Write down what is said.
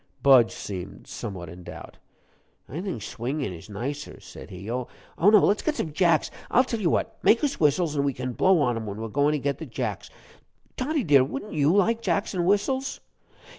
Budge seemed somewhat in doubt. "I think swingin' is nicer," said he "oh, no; let's get some jacks I'll tell you what! make us whistles, an' we can blow on 'em while we're goin' to get the jacks. Toddie, dear, wouldn't you like jacks and whistles?"